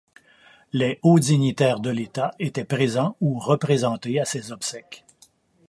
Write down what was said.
Les hauts dignitaires de l'État étaient présents ou représentés à ses obsèques.